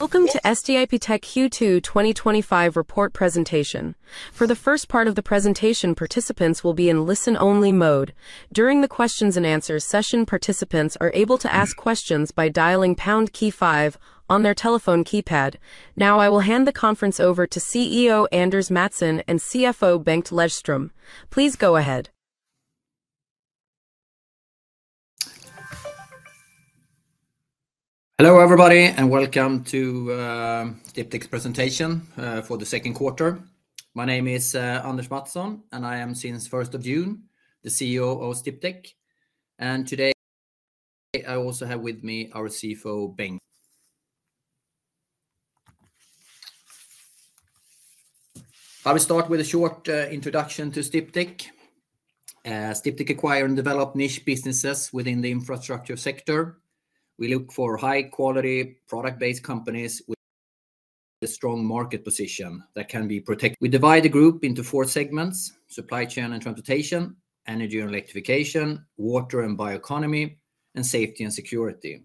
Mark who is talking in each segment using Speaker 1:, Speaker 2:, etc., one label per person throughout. Speaker 1: Welcome to Sdiptech AB Q2 2025 report presentation. For the first part of the presentation, participants will be in listen only mode. During the questions-and-answers session, participants are able to ask questions by dialing KEY5 on their telephone keypad. Now I will hand the conference over to CEO Anders Mattsson and CFO Bengt Lejdström. Please go ahead.
Speaker 2: Hello everybody and welcome to Sdiptech's presentation for the second quarter. My name is Anders Mattsson and I am since 1st of June the CEO of Sdiptech. Today I also have with me our CFO Bengt. I will start with a short introduction to Sdiptech as Sdiptech acquire and develop niche businesses within the infrastructure sector. We look for high quality product-based companies with a strong market position that can be protected. We divide the group into four: supply chain and transportation, energy and electrification, water and bioeconomy, and safety and security.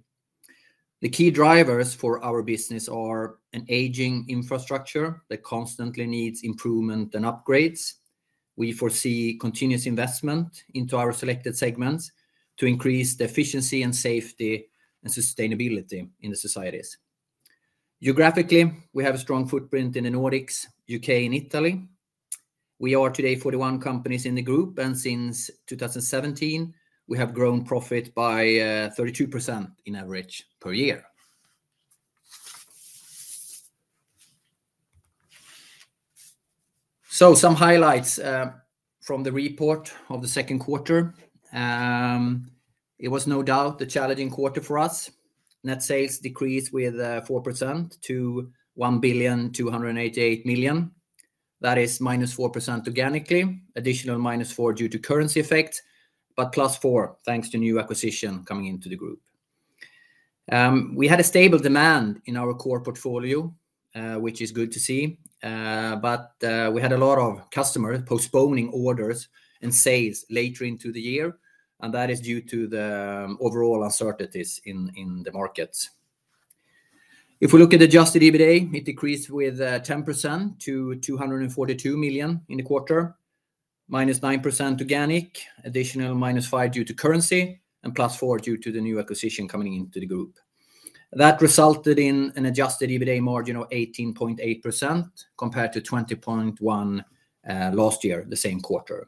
Speaker 2: The key drivers for our business are an aging infrastructure that constantly needs improvement and upgrades. We foresee continuous investment into our selected segments to increase the efficiency and safety and sustainability in the societies. Geographically, we have a strong footprint in the Nordics, U.K., and Italy. We are today 41 companies in the group and since 2017 we have grown profit by 32% in average per year. Some highlights from the report of the second quarter: it was no doubt a challenging quarter for us. Net sales decreased by 4% to 1,288,000,000. That is -4% organically, -4% due to currency effects, but +4% thanks to new acquisition coming into the group. We had a stable demand in our core portfolio which is good to see, but we had a lot of customers postponing orders and sales later into the year and that is due to the overall uncertainties in the markets. If we look at adjusted EBITDA, it decreased by 10% to 242 million in the quarter, -9% organic, -5% due to currency, and +4% due to the new acquisition coming into the group. That resulted in an adjusted EBITDA margin of 18.8% compared to 20.1% last year, the same quarter,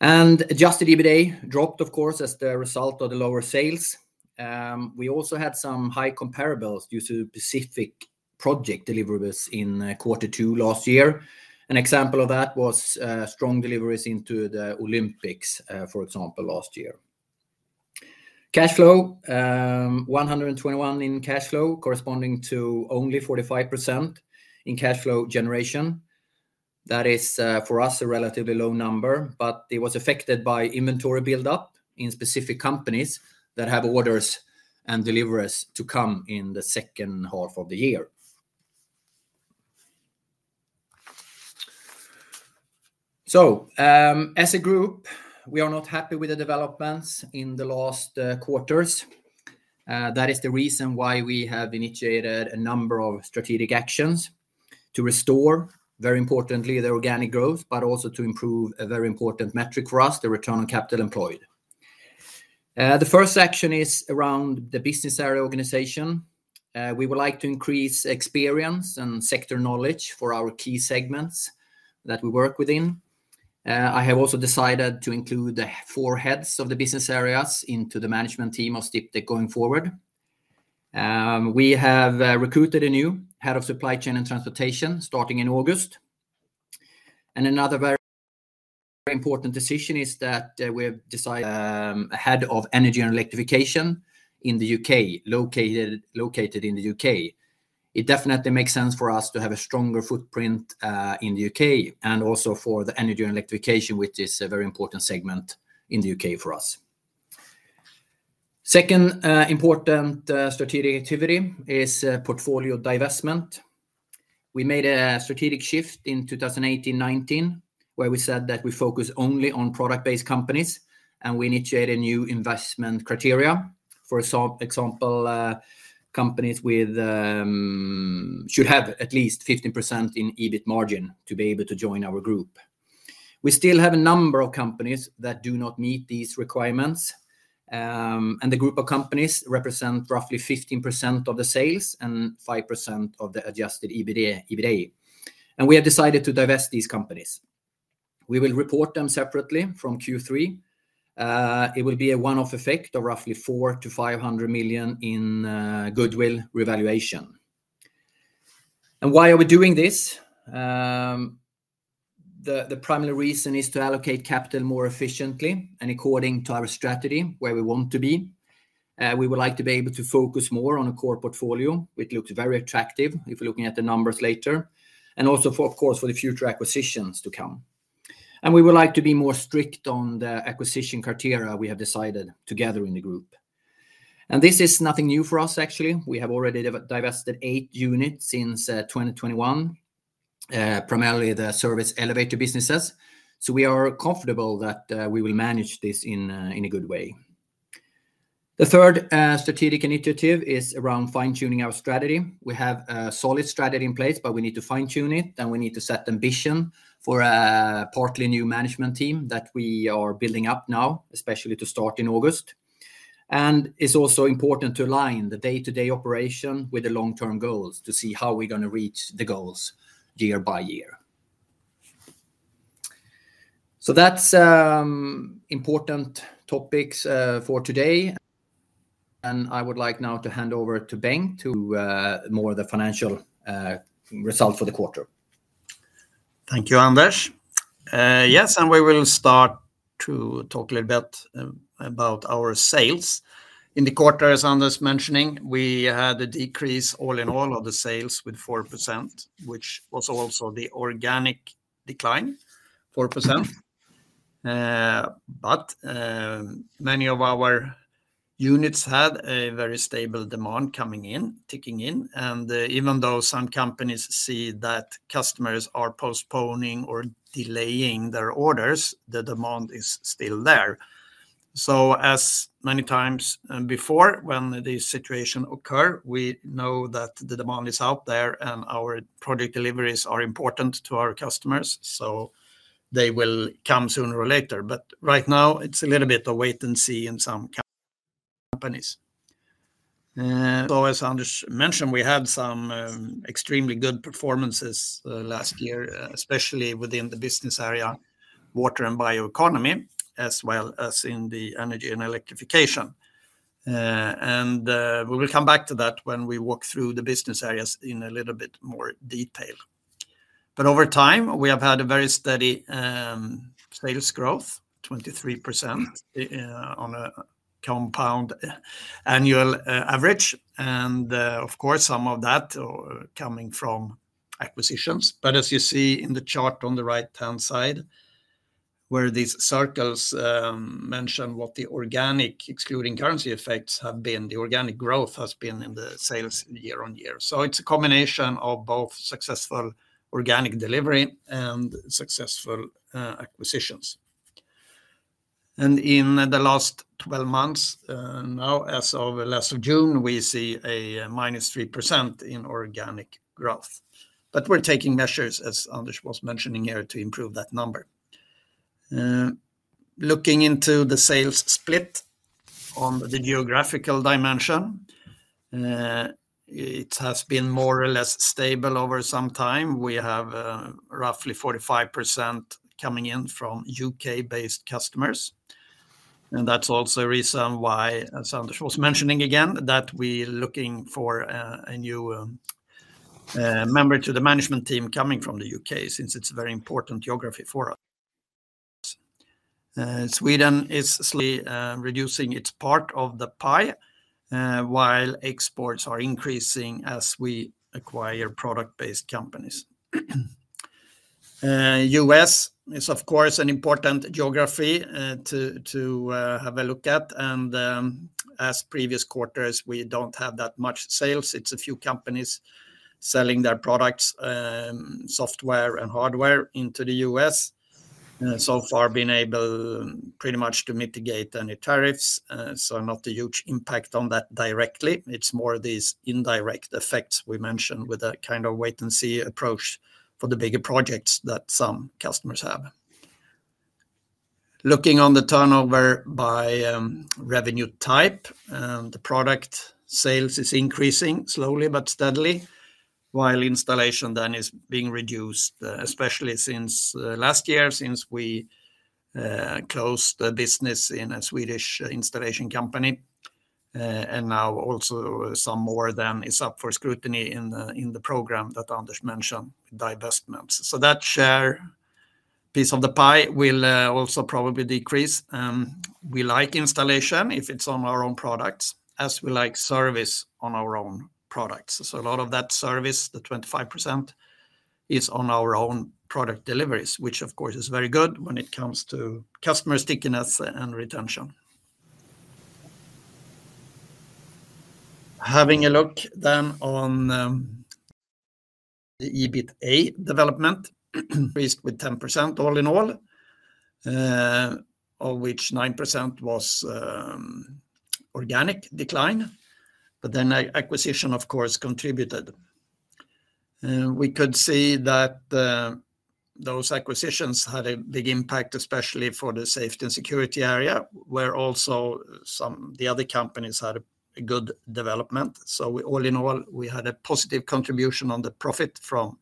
Speaker 2: and adjusted EBITDA dropped of course as the result of the lower sales. We also had some high comparables due to specific project deliverables in quarter two last year. An example of that was strong deliveries into the Olympics. For example, last year cash flow was 121 million in cash flow corresponding to only 45% in cash flow generation. That is for us a relatively low number, but it was affected by inventory buildup in specific companies that have orders and deliveries to come in the second half of the year. As a group we are not happy with the developments in the last quarters. That is the reason why we have initiated a number of strategic actions to restore, very importantly, the organic growth, but also to improve a very important metric for us, the return on capital employed. The first section is around the business area organization. We would like to increase experience and sector knowledge for our key segments that we work within. I have also decided to include the four heads of the business areas into the management team of Sdiptech going forward. We have recruited a new Head of Supply Chain and Transportation starting in August. Another very important decision is that we have decided to have a Head of Energy and Electrification in the U.K., located in the U.K.. It definitely makes sense for us to have a stronger footprint in the U.K. and also for the energy electrification, which is a very important segment in the U.K. for us. The second important strategic activity is portfolio divestment. We made a strategic shift in 2018-2019 where we said that we focus only on product-based companies and we initiated new investment criteria. For example, companies should have at least 15% in EBIT margin to be able to join our group. We still have a number of companies that do not meet these requirements. The group of companies represents roughly 15% of the sales and 5% of the adjusted EBITDA. We have decided to divest these companies. We will report them separately from Q3. It will be a one-off effect of roughly 400 million-500 million in goodwill revaluation. The primary reason is to allocate capital more efficiently and according to our strategy where we want to be. We would like to be able to focus more on a core portfolio which looks very attractive if looking at the numbers later. Also, for the future acquisitions to come, we would like to be more strict on the acquisition criteria. We have decided to gather in the group and this is nothing new for us. Actually, we have already divested eight units since 2021, primarily the service elevator businesses. We are comfortable that we will manage this in a good way. The third strategic initiative is around fine-tuning our strategy. We have a solid strategy in place, but we need to fine-tune it. We need to set ambition for a partly new management team that we are building up now, especially to start in August. It's also important to align the day-to-day operation with the long-term goals to see how we're going to reach the goals year by year. That's important topics for today. I would like now to hand over to Bengt to more of the financial result for the quarter.
Speaker 3: Thank you, Anders. Yes, we will start to talk a little bit about our sales in the quarter. As Anders mentioned, we had a decrease all in all of the sales with 4%, which was also the organic decline, 4%. Many of our units had a very stable demand coming in, ticking in. Even though some companies see that customers are postponing or delaying their orders, the demand is still there. As many times before when these situations occur, we know that the demand is out there and our product deliveries are important to our customers. They will come sooner or later. Right now it's a little bit of wait and see in some companies. As Anders mentioned, we had some extremely good performances the last year, especially within the business area water and bioeconomy as well as in energy and electrification. We will come back to that when we walk through the business areas in a little bit more detail. Over time we have had a very steady sales growth, 23% on a compound annual average. Of course, some of that coming from acquisitions. As you see in the chart on the right-hand side where these circles mention what the organic excluding currency effects have been, the organic growth has been in the sales year on year. It's a combination of both successful organic delivery and successful acquisitions. In the last 12 months now as of last of June, we see a -3% in organic growth. We're taking measures, as Anders was mentioning here, to improve that number. Looking into the sales split on the geographical dimension, it has been more or less stable over some time. We have roughly 45% coming in from U.K. based customers. That's also a reason why Anders was mentioning again that we are looking for a new member to the management team coming from the U.K., since it's a very important geography for us. Sweden is reducing its part of the pie while exports are increasing as we acquire product-based companies. U.S. is of course an important geography to have a look at. As previous quarters, we don't have that much sales. It's a few companies selling their products, software, and hardware into the U.S.. So far been able pretty much to mitigate any tariffs. Not a huge impact on that directly. It's more these indirect effects we mentioned with a kind of wait and see approach for the bigger projects that some customers have. Looking on the turnover by revenue type, the product sales is increasing slowly but steadily while installation then is being reduced. Especially since last year, since we closed business in a Swedish installation company and now also some more that is up for scrutiny in the program that Anders Mattsson mentioned, divestments. That share piece of the pie will also probably decrease. We like installation if it's on our own products, as we like service on our own products. A lot of that service, the 25%, is on our own product deliveries, which of course is very good when it comes to customer stickiness and retention. Having a look then on the EBITDA development, risked with 10% all in all, of which 9% was organic decline. Acquisition of course contributed. We could see that those acquisitions had a big impact, especially for the safety and security area, where also some of the other companies had a big impact, a good development. All in all, we had a positive contribution on the profit from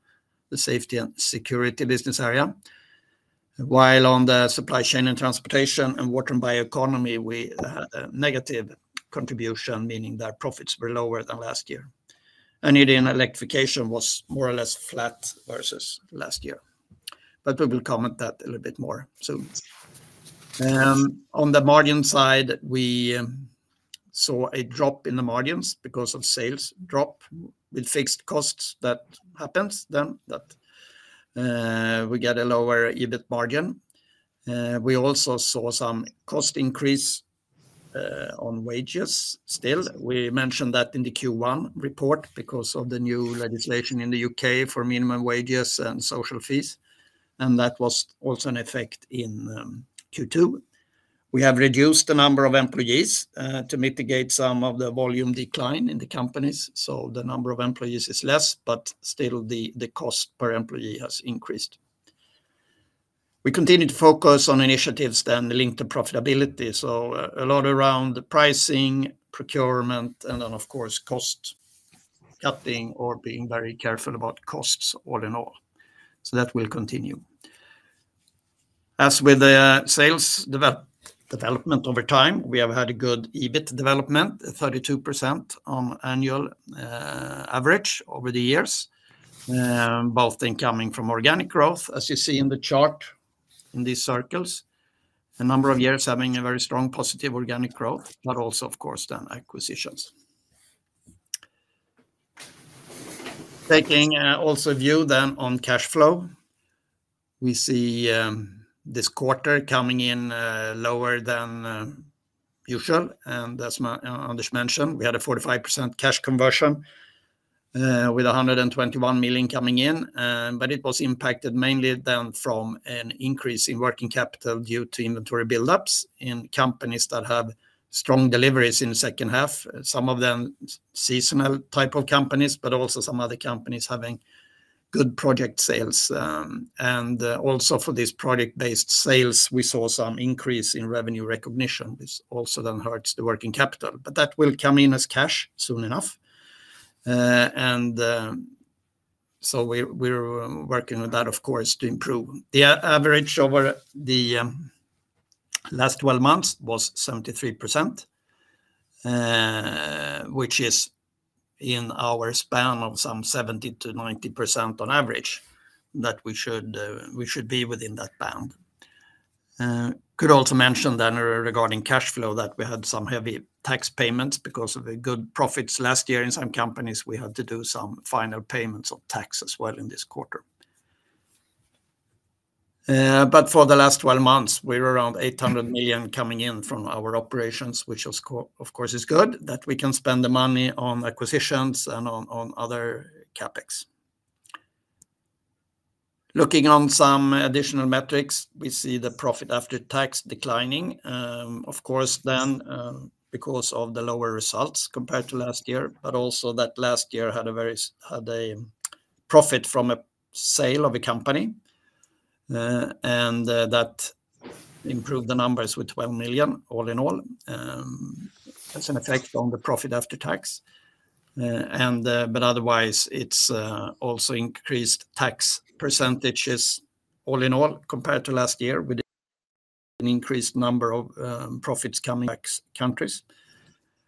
Speaker 3: the safety and security business area. While on the supply chain and transportation and water and bioeconomy, we had a negative contribution, meaning that profits were lower than last year, and electrification was more or less flat versus last year. We will comment that a little bit more. On the margin side, we saw a drop in the margins because of sales drop with fixed costs. That happens then that we get a lower EBIT margin. We also saw some cost increase on wages still. We mentioned that in the Q1 report because of the new legislation in the U.K. for minimum wages and social fees. That was also an effect in Q2. We have reduced the number of employees to mitigate some of the volume decline in the companies. The number of employees is less, but still the cost per employee has increased. We continue to focus on initiatives then linked to profitability. A lot around pricing, procurement, and then of course cost cutting or being very careful about costs, all in all. That will continue. As with the sales development over time, we have had a good EBIT development, 32% on annual average over the years, both coming from organic growth, as you see in the chart in these circles, a number of years having a very strong positive organic growth, but also of course then acquisitions. Taking also view then on cash flow, we see this quarter coming in lower than usual. As Anders Mattsson mentioned, we had a 45% cash conversion with 121 million coming in. It was impacted mainly down from an increase in working capital due to inventory buildups in companies that have strong deliveries in the second half. Some of them are seasonal type of companies, but also some other companies having good project sales. For these project-based sales we saw some increase in revenue recognition. This also then hurts the working capital. That will come in as cash soon enough. We're working on that of course to improve. The average over the last 12 months was 73%, which is in our span of some 70%-90% on average. We should be within that band. Could also mention regarding cash flow that we had some heavy tax payments because of the good profits last year in some companies. We had to do some final payments of tax as well in this quarter. For the last 12 months we're around 800 million coming in from our operations, which of course is good that we can spend the money on acquisitions and on other CapEx. Looking on some additional metrics, we see the profit after tax declining of course because of the lower results compared to last year. Last year had a profit from a sale of a company and that improved the numbers with 12 million. All in all, that's an effect on the profit after tax, but otherwise it's also increased tax percentages all in all compared to last year with an increased number of profits coming back countries.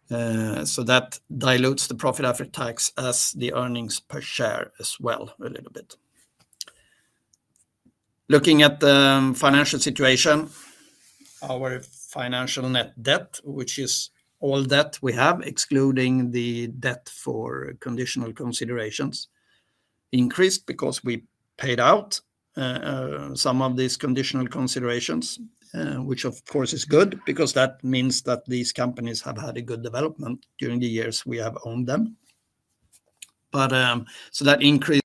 Speaker 3: That dilutes the profit after tax as the earnings per share as well a little bit. Looking at the financial situation, our financial net debt, which is all debt we have excluding the debt for conditional considerations, increased because we paid out some of these conditional considerations, which of course is good because that means that these companies have had a good development during the years we have owned them. That increased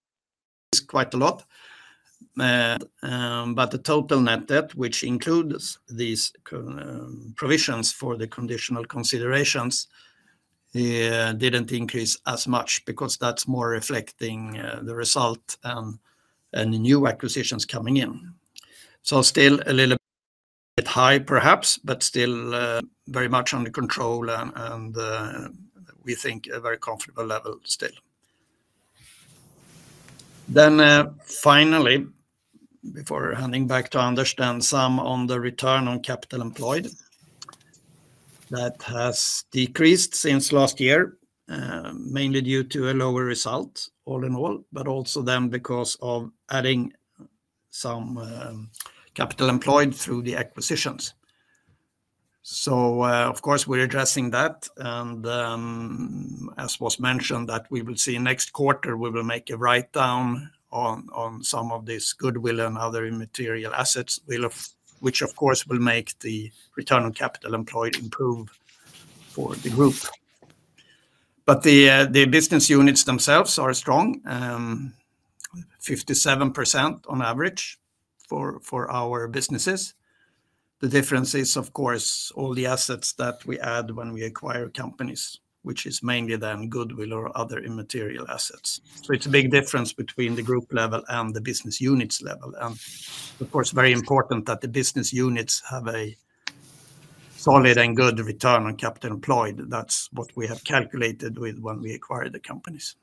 Speaker 3: quite a lot. The total net debt, which includes these provisions for the conditional considerations, didn't increase as much because that's more reflecting the result and the new acquisitions coming in. Still a little bit high perhaps, but still very much under control and we think a very comfortable level still. Finally, before handing back to Anders Mattsson, some on the return on capital employed that has decreased since last year, mainly due to a lower result all in all, but also because of adding some capital employed through the acquisitions. Of course we're addressing that, and as was mentioned, we will see next quarter we will make a write-down on some of this goodwill and other immaterial assets, which of course will make the return on capital employed improve for the group. The business units themselves are strong, 57% on average for our businesses. The difference is all the assets that we add when we acquire companies, which is mainly then goodwill or other immaterial assets. It is a big difference between the group level and the business units level. It is very important that the business units have a solid and good return on capital employed. That's what we have calculated with when we acquired the companies.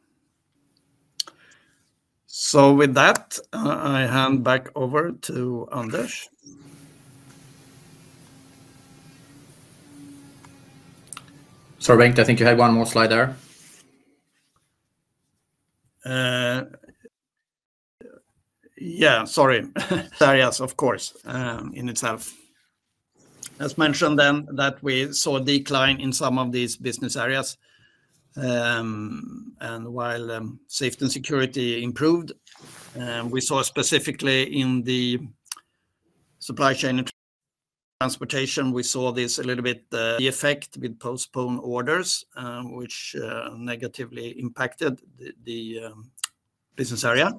Speaker 3: With that, I hand back over to Anders.
Speaker 2: Sorry Bengt, I think you had one more slide there.
Speaker 3: Of course, in itself as mentioned, then that we saw decline in some of these business areas and while safety and security improved, we saw specifically in the supply chain and transportation we saw this a little bit, the effect with postponed orders which negatively impacted the business area.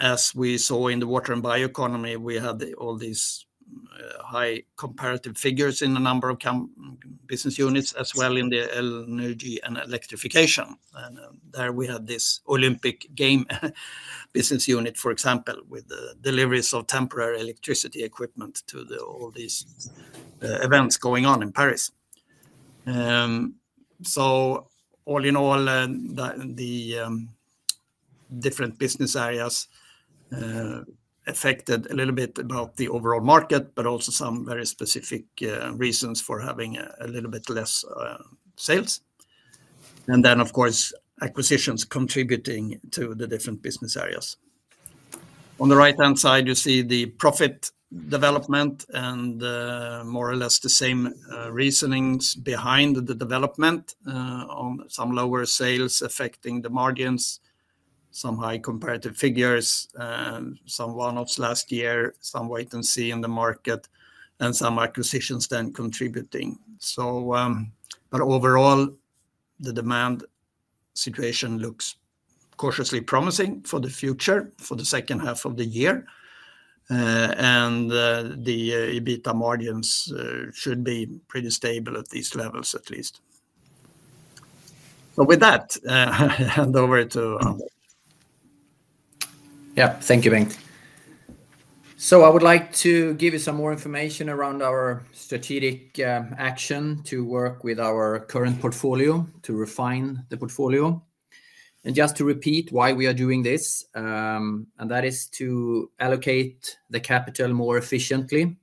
Speaker 3: As we saw in the water and bioeconomy, we had all these high comparative figures in the number of business units as well in the energy and electrification. There we have this Olympic game business unit, for example, with the deliveries of temporary electricity equipment to all these events going on in Paris. All in all, the different business areas affected a little bit about the overall market, but also some very specific reasons for having a little bit less sales. Of course, acquisitions contributing to the different business areas. On the right hand side, you see the profit development and more or less the same reasonings behind the development on some lower sales affecting the margins, some high comparative figures, some one offs last year, some wait and see in the market, and some acquisitions then contributing. Overall, the demand situation looks cautiously promising for the future for the second half of the year. The EBITDA margins should be pretty stable at these levels at least. With that, hand over to.
Speaker 2: Yeah, thank you Bengt. I would like to give you some more information around our strategic action to work with our current portfolio to refine the portfolio and just to repeat why we are doing this, and that is to allocate the capital more efficiently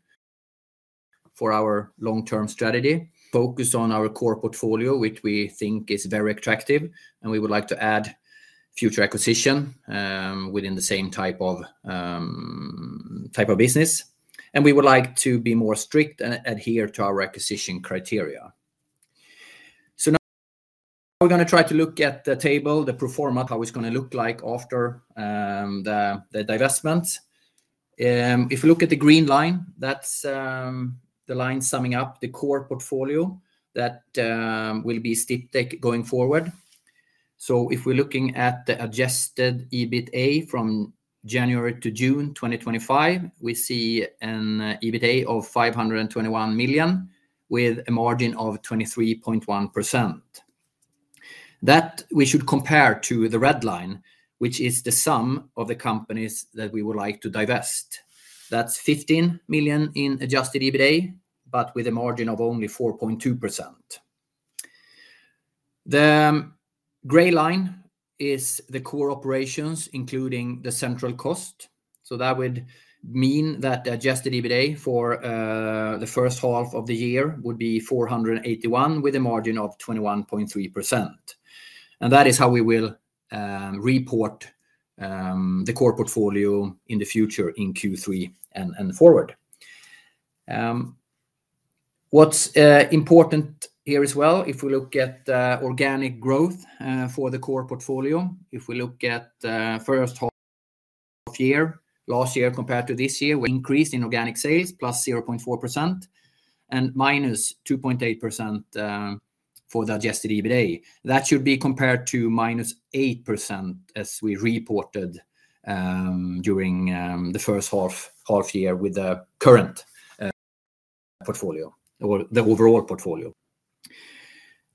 Speaker 2: for our long-term strategy, focus on our core portfolio, which we think is very attractive. We would like to add future acquisition within the same type of business. We would like to be more strict and adhere to our acquisition criteria. Now we're going to try to look at the table, the pro forma, how it's going to look like after the divestment. If you look at the green line, that's the line summing up the core portfolio. That will be Sdiptech going forward. If we're looking at the adjusted EBITDA from January to June 2025, we see an EBITDA of 521 million with a margin of 23.1% that we should compare to the red line, which is the sum of the companies that we would like to divest. That's 15 million in adjusted EBITDA but with a margin of only 4.2%. The gray line is the core operations, including the central cost. That would mean that adjusted EBITDA for the first half of the year would be 481 million with a margin of 21.3%. That is how we will report the core portfolio in the future in Q3 and forward. What's important here as well, if we look at organic growth for the core portfolio, if we look at first half year last year compared to this year, with increase in organic sales +0.4% and -2.8% for adjusted EBITDA, that should be compared to -8% as we reported during the first half year with the current portfolio or the overall portfolio.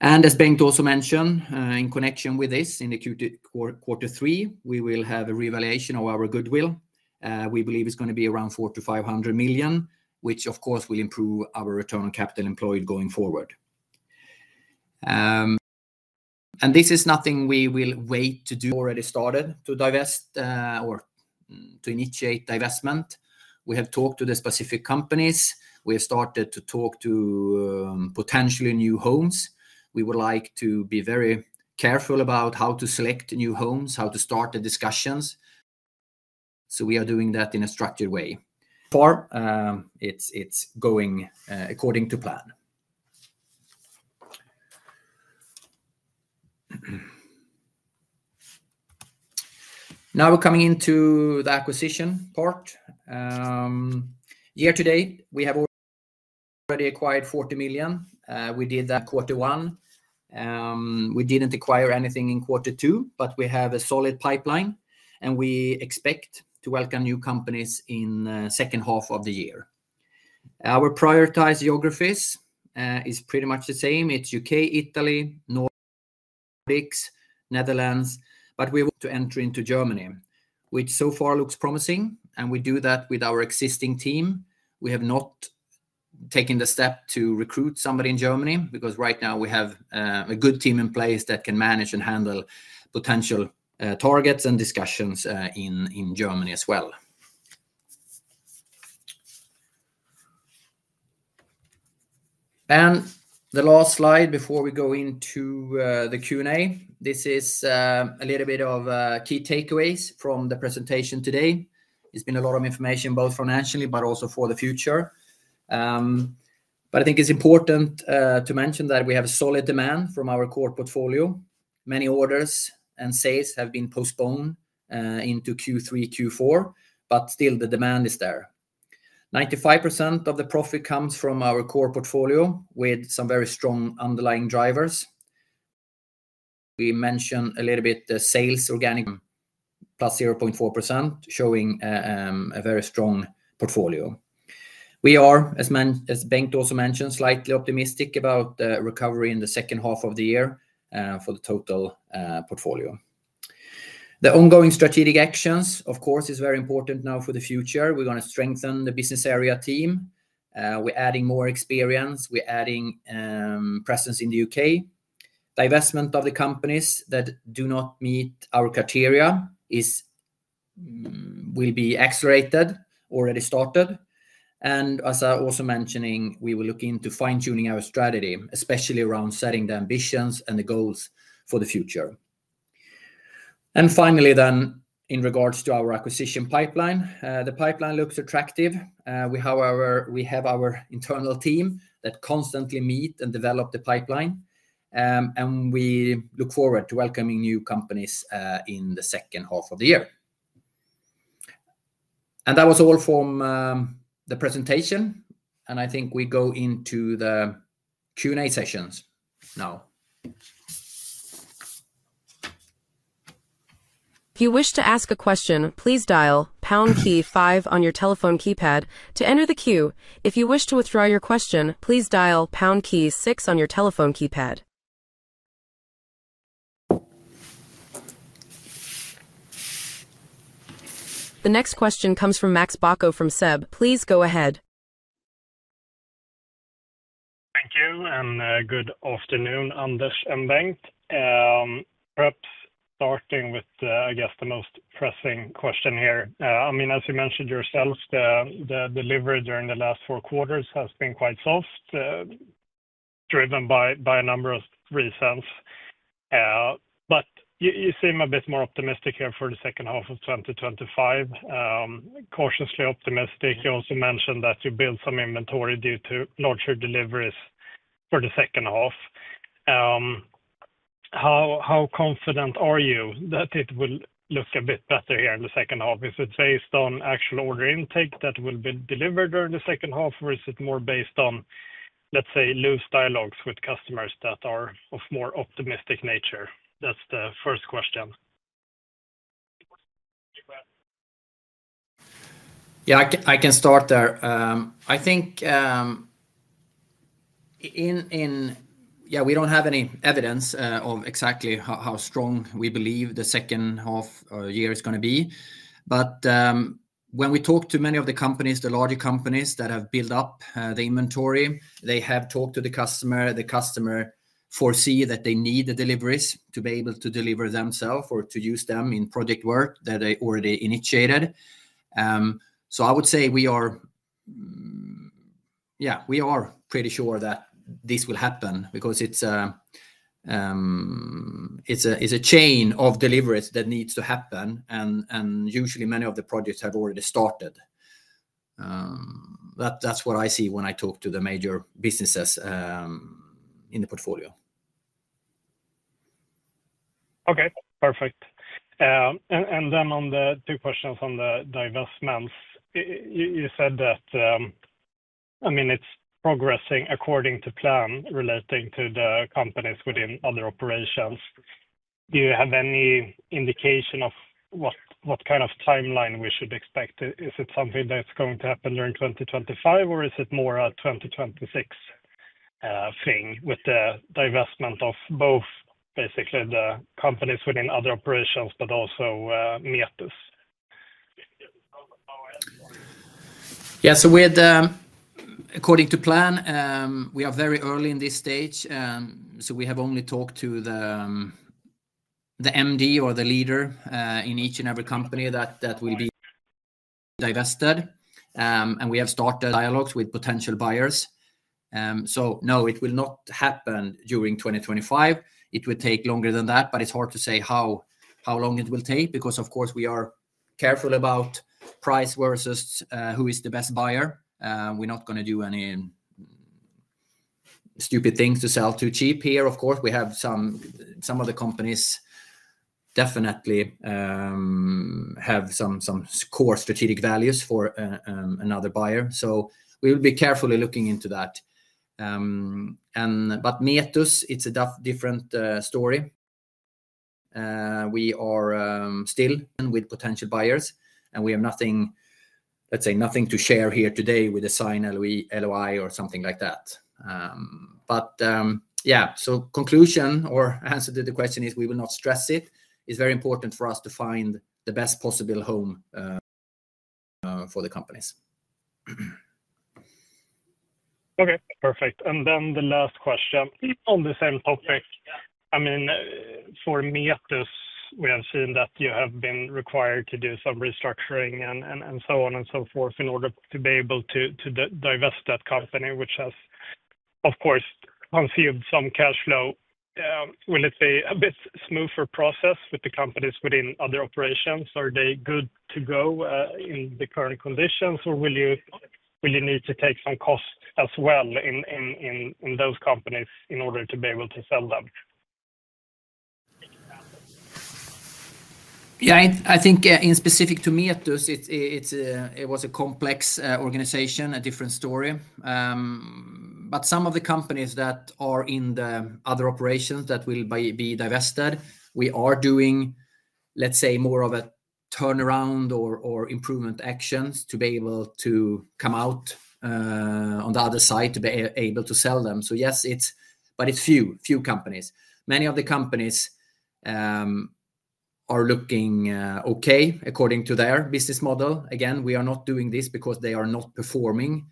Speaker 2: As Bengt also mentioned in connection with this, in quarter three we will have a revaluation of our goodwill. We believe it's going to be around 400 million-500 million, which of course will improve our return on capital employed going forward. This is nothing we will wait to do. Already started to divest or to initiate divestment. We have talked to the specific companies. We have started to talk to potentially new homes. We would like to be very careful about how to select new homes, how to start the discussions. We are doing that in a structured way. It's going according to plan. Now we're coming into the acquisition part. Year to date, we have already acquired 40 million. We did that quarter one. We didn't acquire anything in quarter two. We have a solid pipeline and we expect to welcome new companies in second half of the year. Our prioritized geographies are pretty much the same. It's U.K., Italy, Netherlands. We want to enter into Germany, which so far looks promising, and we do that with our existing team. We have not taken the step to recruit somebody in Germany because right now we have a good team in place that can manage and handle potential targets and discussions in Germany as well. The last slide before we go into the Q&A, this is a little bit of key takeaways from the presentation today. It's been a lot of information, both financially but also for the future. I think it's important to mention that we have solid demand from our core portfolio. Many orders and sales have been postponed into Q3, Q4, but still the demand is there. 95% of the profit comes from our core portfolio with some very strong underlying drivers. We mentioned a little bit the sales organic +0.4% showing a very strong portfolio. We are, as Bengt Lejdström also mentioned, slightly optimistic about recovery in the second half of the year for the total portfolio. The ongoing strategic actions, of course, are very important now for the future. We're going to strengthen the business area team. We're adding more experience, we're adding presence in the U.K.. Divestment of the companies that do not meet our criteria will be accelerated. Already started. As I also mentioned, we will look into fine tuning our strategy, especially around setting the ambitions and the goals for the future. Finally, in regards to our acquisition pipeline, the pipeline looks attractive. We have our internal team that constantly meet and develop the pipeline and we look forward to welcoming new companies in the second half of the year. That was all from the presentation. I think we go into the Q&A sessions now.
Speaker 1: If you wish to ask a question, please dial pound key five on your telephone keypad to enter the queue. If you wish to withdraw your question, please dial six on your telephone keypad. The next question comes from Max Bacco from SEB. Please go ahead.
Speaker 4: Thank you and good afternoon. Anders Mattsson. Bengt Lejdström. Perhaps starting with, I guess the most pressing question here. I mean, as you mentioned yourself, the delivery during the last four quarters has been quite soft, driven by a number of reasons. You seem a bit more optimistic here for the second half of 2025. Cautiously optimistic. You also mentioned that you build some inventory due to deliveries for the second half. How confident are you that it will look a bit better here in the second half? Is it based on actual order intake that will be delivered during the second half? Is it more based on, let's say, loose dialogues with customers that are of more optimistic nature? That's the first question.
Speaker 2: Yeah, I can start there. I think we don't have any evidence of exactly how strong we believe the second half year is going to be. When we talk to many of the companies, the larger companies that have built up the inventory, they have talked to the customer. The customer foresee that they need the deliveries to be able to deliver themselves or to use them in product work that they already initiated. I would say we are pretty sure that this will happen because it's a chain of deliveries that needs to happen, and usually many of the projects have already started. That's what I see when I talk to the major businesses in the portfolio.
Speaker 4: Okay, perfect. On the two questions on the divestments, you said that it's progressing according to plan relating to the companies within other operations. Do you have any indication of what kind of timeline we should expect? Is it something that's going to happen during 2025, or is it more a 2026 thing with the divestment of both basically the companies within other operations, but also Mietus.
Speaker 2: Yeah, according to plan, we are very early in this stage. We have only talked to the MD or the leader in each and every company that will be divested, and we have started dialogues with potential buyers. It will not happen during 2025. It would take longer than that. It's hard to say how long it will take because of course we are careful about price versus who is the best buyer. We're not going to do any stupid things to sell too cheap here. Some of the companies definitely have some core strategic values for another buyer. We will be carefully looking into that. At this, it's a different story. We are still with potential buyers and we have nothing, let's say nothing to share here today with the signed LOI or something like that. Conclusion or answer to the question is we will not stress it. It's very important for us to find the best possible home for the companies.
Speaker 4: Okay, perfect. The last question on the same topic, I mean for me at this, we have seen that you have been required to do some restructuring and so on and so forth in order to be able to divest that company, which has of course consumed some cash flow. Will it be a bit smoother process with the companies within other operations? Are they good to go in the current conditions, or will you need to take some costs as well in those companies in order to be able to sell them?
Speaker 2: Yeah, I think in specific to Miatus it was a complex organization, a different story. Some of the companies that are in the other operations that will be divested, we are doing, let's say, more of a turnaround or improvement actions to be able to come out on the other side to be able to sell them. Yes, it's few, few companies. Many of the companies are looking okay according to their business model. Again, we are not doing this because they are not performing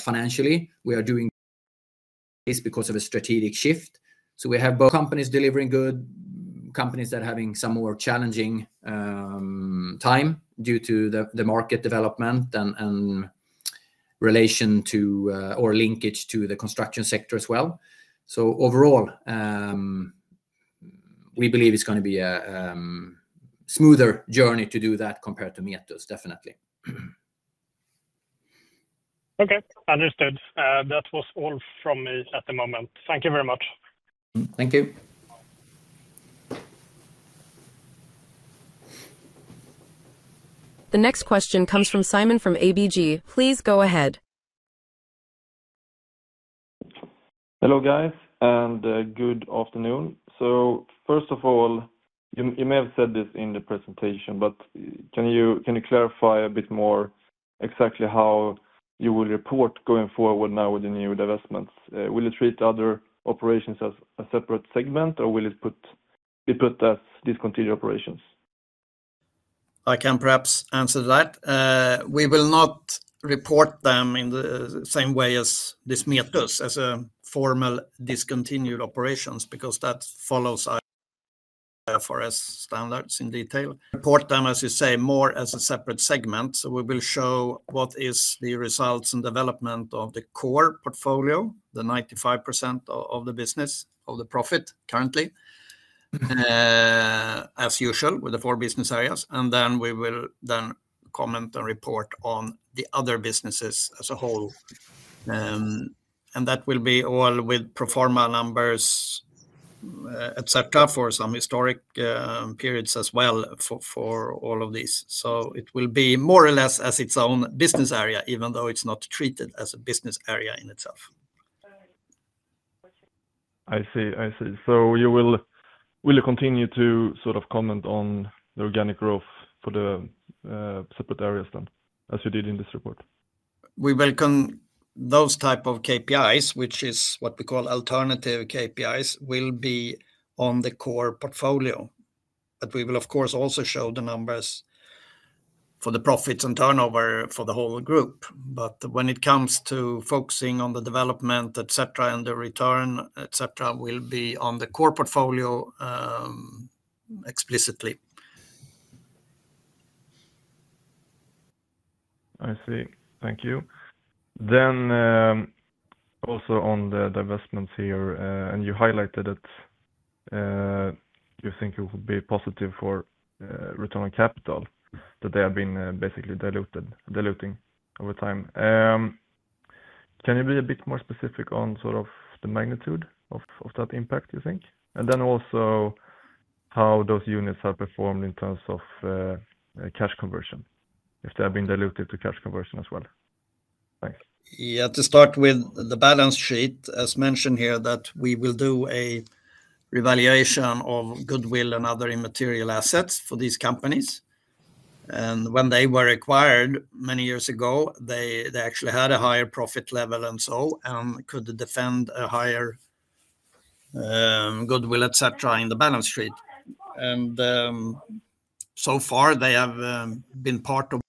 Speaker 2: financially. We are doing this because of a strategic shift. We have both companies delivering, good companies that are having some more challenging time due to the market development and relation to or linkage to the construction sector as well. Overall, we believe it's going to be a smoother journey to do that compared to Miatus. Definitely.
Speaker 4: Okay, understood. That was all from me at the moment. Thank you very much.
Speaker 2: Thank you.
Speaker 1: The next question comes from Simon from ABG. Please go ahead.
Speaker 5: Hello guys and good afternoon. First of all, you may have said this in the presentation, but can you clarify a bit more exactly how you will report going forward now with the new divestments? Will you treat other operations as a separate segment or will you put that in discontinued operations?
Speaker 3: I can perhaps answer that. We will not report them in the same way as this MIA plus as a formal discontinued operations because that follows our IFRS standards in detail. Report them, as you say, more as a separate segment. We will show what is the results and development of the core portfolio, the 95% of the business of the profit currently as usual with the four business areas, and we will then comment and report on the other businesses as a whole. That will be all with pro forma numbers, etc. for some historic periods as well for all of these. It will be more or less as its own business area, even though it's not treated as a business area in itself.
Speaker 5: I see. Will you continue to sort of comment on the organic growth for the separate areas then, as you did in this report?
Speaker 3: We welcome those type of KPIs, which is what we call alternative KPIs, will be on the core portfolio. We will of course also show the numbers for the profits and turnover for the whole group. When it comes to focusing on the development, etc., and the return, etc., it will be on the core portfolio explicitly.
Speaker 5: I see, thank you. Also, on the divestments here, you highlighted that you think it would be positive for return on capital, that they have been basically diluting over time. Can you be a bit more specific on the magnitude of that impact, you think? Also, how those units have performed in terms of cash conversion, if they have been diluting to cash conversion as well. Thanks.
Speaker 3: Yeah. To start with the balance sheet, as mentioned here, we will do a revaluation of goodwill and other immaterial assets for these companies. When they were acquired many years ago, they actually had a higher profit level and could defend a higher goodwill, etc., in the balance sheet. So far they have been part of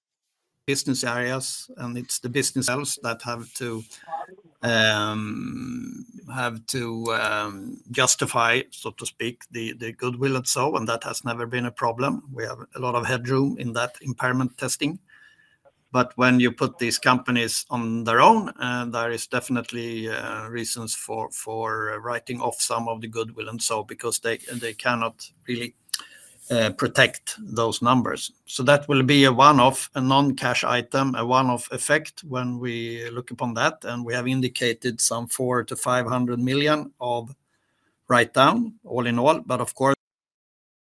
Speaker 3: business areas and it's the business areas that have to justify, so to speak, the goodwill. That has never been a problem. We have a lot of headroom in that impairment testing. When you put these companies on their own, there is definitely reason for writing off some of the goodwill because they cannot really protect those numbers. That will be a one-off, a non-cash item, a one-off effect when we look upon that. We have indicated some 400 million-500 million of write-down all in all. Of course,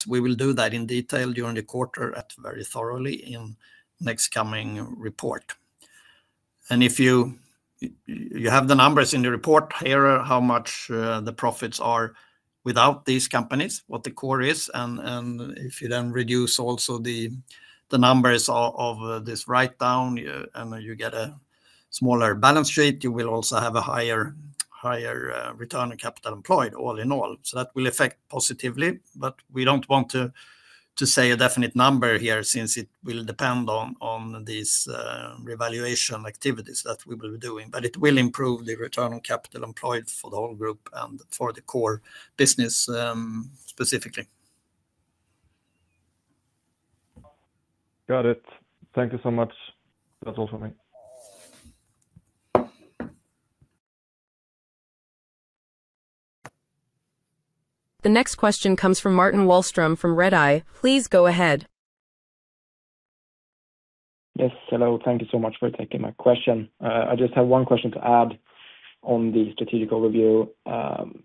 Speaker 3: we will do that in detail during the quarter very thoroughly in the next coming report. If you have the numbers in the report here, how much the profits are without these companies, what the core is, and if you then reduce also the numbers of this write-down and you get a smaller balance sheet, you will also have a higher return on capital employed all in all. That will affect positively, but we don't want to say a definite number here since it will depend on these revaluation activities that we will be doing. It will improve the return on capital employed for the whole group and for the core business specifically.
Speaker 5: Got it. Thank you so much. That's all for me.
Speaker 1: The next question comes from Martin Wahlström from Redeye. Please go ahead.
Speaker 6: Yes, hello, thank you so much for taking my question. I just have one question to add on the strategic overview, kind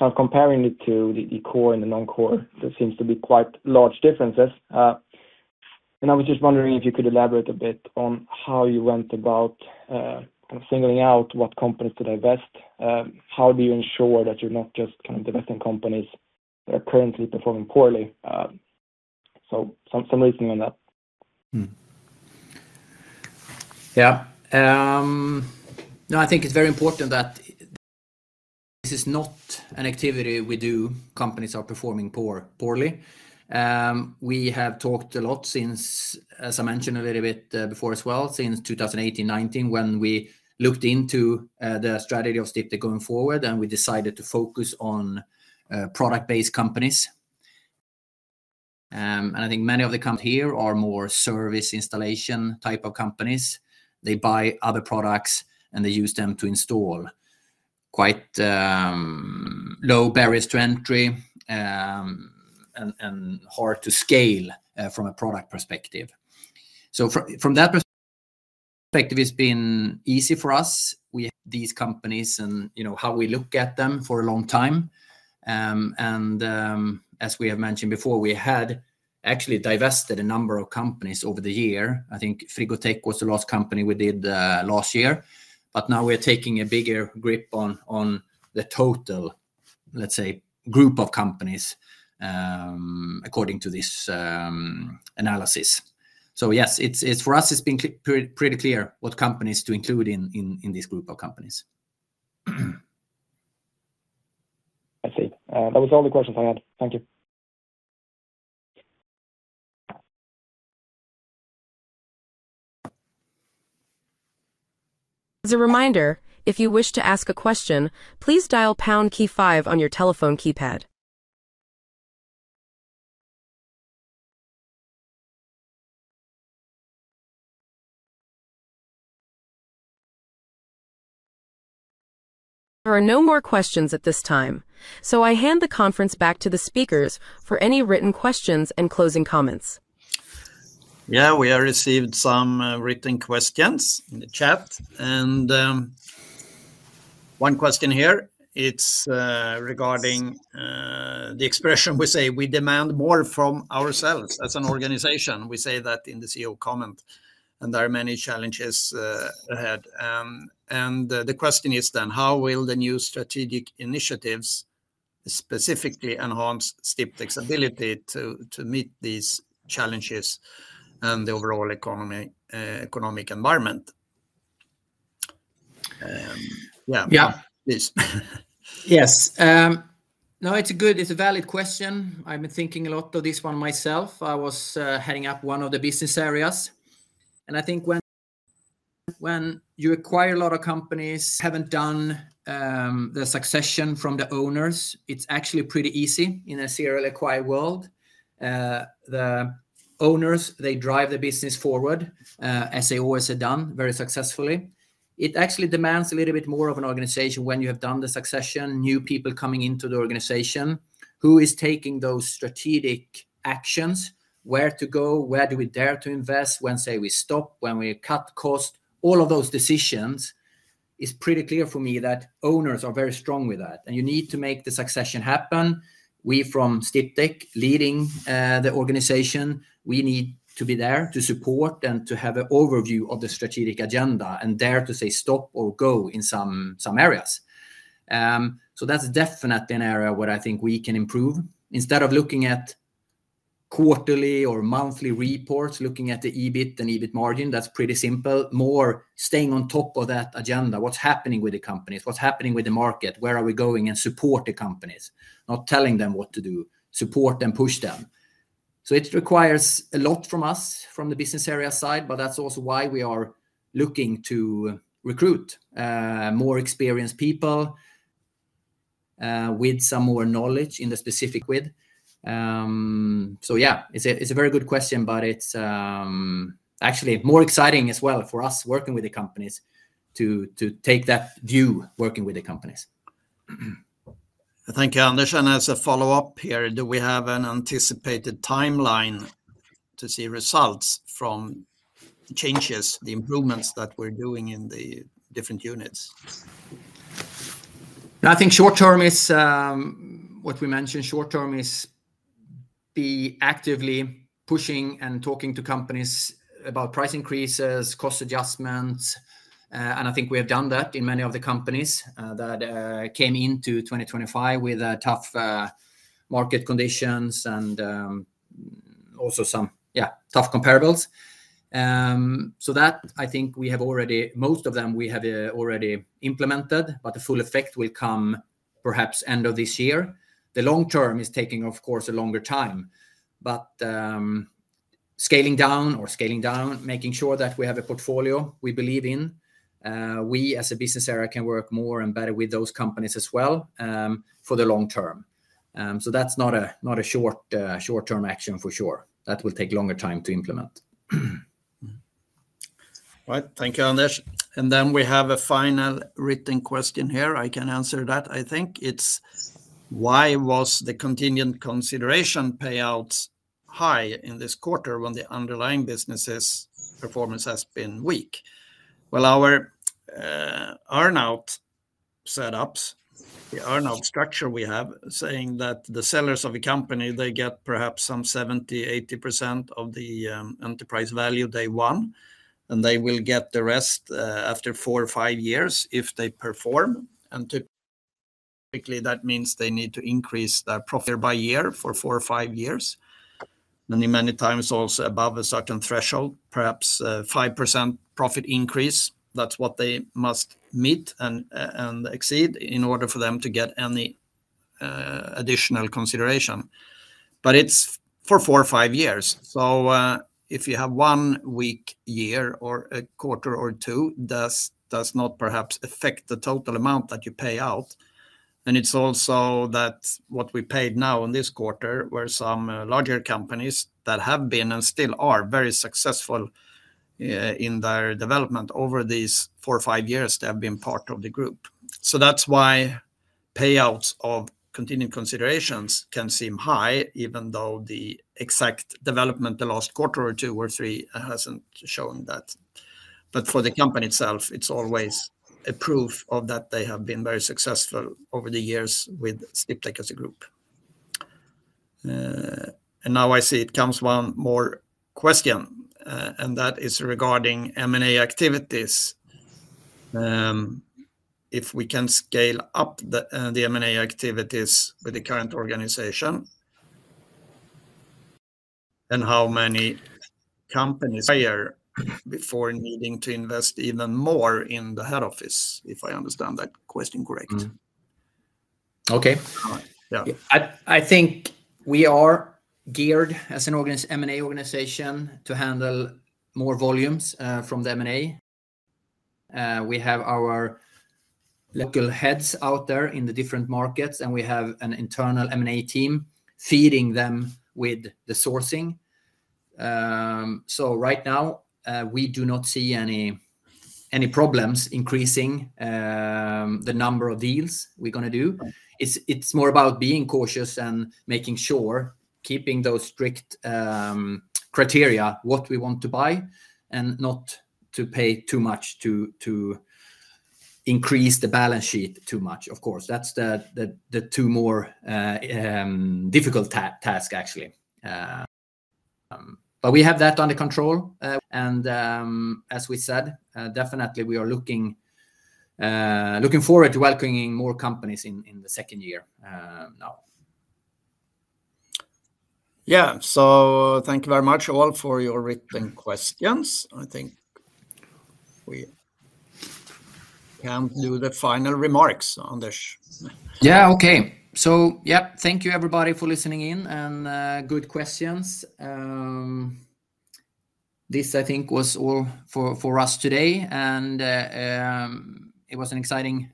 Speaker 6: of comparing it to the core and the non-core. There seems to be quite large differences, and I was just wondering if you could elaborate a bit on how you went about kind of singling out what companies to divest. How do you ensure that you're not just kind of divesting companies that are currently performing poorly? Some reasoning on that.
Speaker 2: Yeah, no, I think it's very important that this is not an activity we do when companies are performing poorly. We have talked a lot, as I mentioned a little bit before as well, since 2018 to 2019 when we looked into the strategy of Sdiptech going forward and we decided to focus on product-based companies. I think many of the companies here are more service installation type of companies. They buy other products and they use them to install, quite low barriers to entry and hard to scale from a product perspective. From that perspective, it's been easy for us. We have had these companies and how we look at them for a long time, and as we have mentioned before, we had actually divested a number of companies over the years. I think Frigatech was the last company we did last year. Now we're taking a bigger grip on the total, let's say, group of companies according to this analysis. Yes, for us it's been pretty clear what companies to include in this group of companies.
Speaker 6: I see. That was all the questions I had. Thank you.
Speaker 1: As a reminder, if you wish to ask a question, please dial pound key five on your telephone keypad. There are no more questions at this time. I hand the conference back to the speakers for any written questions and closing comments.
Speaker 3: Yeah, we have received some written questions in the chat and one question here. It's regarding the expression we say we demand more from ourselves as an organization. We say that in the CEO comment. There are many challenges ahead. The question is then how will the new strategic initiatives specifically enhance Sdiptech's ability to meet these challenges and the overall economic environment. Yeah, please.
Speaker 2: Yes, no, it's a good, it's a valid question. I've been thinking a lot of this one myself. I was heading up one of the business areas and I think when you acquire a lot of companies, haven't done the succession from the owners, it's actually pretty easy in a serial acquired world. The owners, they drive the business forward as they always have done very successfully. It actually demands a little bit more of an organization when you have done the succession. New people coming into the organization, who is taking those strategic actions, where to go, where do we dare to invest? When say we stop, when we cut cost. All of those decisions, it's pretty clear for me that owners are very strong with that and you need to make the succession happen. We from Sdiptech leading the organization, we need to be there to support and to have an overview of the strategic agenda and dare to say stop or go in some areas. That's definitely an area where I think we can improve. Instead of looking at quarterly or monthly reports, looking at the EBIT and EBIT margin, that's pretty simple. More staying on top of that agenda. What's happening with the companies? What's happening with the market? Where are we going and support the companies, not telling them what to do, support and push them. It requires a lot from us from the business area side. That's also why we are looking to recruit more experienced people with some more knowledge in the specific with. Yeah, it's a very good question, but it's actually more exciting as well for us working with the companies to take that due. Working with the companies.
Speaker 3: Thank you, Anders. As a follow up here, do we have an anticipated timeline to see results from changes, the improvements that we're doing in the different units?
Speaker 2: I think short term is what we mentioned. Short term is be actively pushing and talking to companies about price increases, cost adjustments. I think we have done that in many of the companies that came into 2025 with tough market conditions and also some tough comparables. I think we have already, most of them we have already implemented. The full effect will come perhaps end of this year. The long term is taking of course a longer time, but scaling down or scaling down, making sure that we have a portfolio we believe in. We as a business area can work more and better with those companies as well for the long term. That's not a short term action for sure. That will take longer time to implement.
Speaker 3: Right. Thank you, Anders. I can answer that. I think it's why was the contingent consideration payouts high in this quarter when the underlying businesses performance has been weak? Our earnout setups, the earnout structure we have, say that the sellers of a company get perhaps some 70% or 80% of the enterprise value day one, and they will get the rest after four or five years if they perform. Typically, that means they need to increase their profit by year for four or five years, many times also above a certain threshold, perhaps 5% profit increase. That's what they must meet and exceed in order for them to get any additional consideration. It's for four or five years. If you have one weak year or a quarter or two, that does not perhaps affect the total amount that you pay out. It's also that what we paid now in this quarter were some larger companies that have been and still are very successful in their development over these four or five years they have been part of the group. That's why payouts of contingent considerations can seem high even though the exact development the last quarter or two or three hasn't shown that. For the company itself, it's always a proof that they have been very successful over the years with Sdiptech as a group. I see it comes one more question and that is regarding M&A activities. If we can scale up the M&A activities with the current organization and how many companies hire before needing to invest even more in the head office? If I understand that question correct.
Speaker 2: Okay. I think we are geared as an M&A organization to handle more volumes from the M&A. We have our little heads out there in the different markets, and we have an internal M&A team feeding them with the sourcing. Right now we do not see any problems increasing the number of deals we're going to do. It's more about being cautious and making sure to keep those strict criteria for what we want to buy and not to pay too much to increase the balance sheet too much. Of course, that's the two more difficult tasks actually. We have that under control, and as we said, definitely we are looking forward to welcoming more companies in the second year now.
Speaker 3: Thank you very much all for your written questions. I think we can do the final remarks on this.
Speaker 2: Yeah. Okay. Yep. Thank you everybody for listening in and good questions. This I think was all for us today. It was an exciting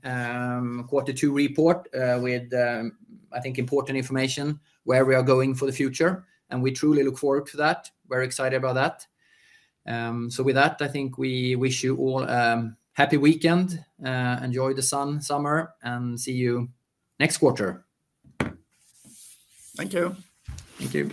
Speaker 2: Quarter 2 report with I think important information where we are going for the future. We truly look forward to that. Very excited about that. With that, I think we wish you all happy weekend, enjoy the sun summer and see you next quarter. Thank you.
Speaker 3: Thank you.